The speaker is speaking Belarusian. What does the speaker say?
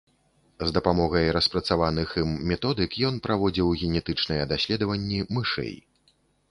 З дапамогай распрацаваных ім методык ён праводзіў генетычныя даследаванні мышэй.